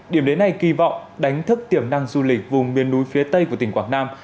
điểm đến này kỳ vọng đánh thức tiềm năng du lịch vùng miền núi phía tây của tỉnh quảng nam